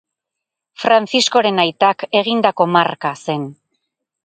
Franciscoren aitak egindako marka zen.